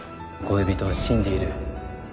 恋人は死んでいる。